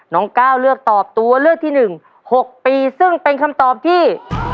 น้องก้าวเลือกตอบตัวเลือกที่๑๖ปีซึ่งเป็นคำตอบที่